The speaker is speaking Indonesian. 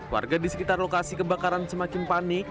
warga di sekitar lokasi kebakaran semakin panik